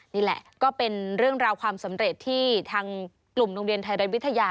นี่แหละก็เป็นเรื่องราวความสำเร็จที่ทางกลุ่มโรงเรียนไทยรัฐวิทยา